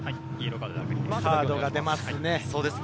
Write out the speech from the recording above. カードが出ますね。